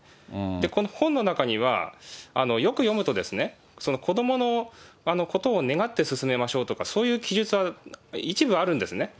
この本の中には、よく読むと、子どものことを願って進めましょうとか、そういう記述は一部あるんですね。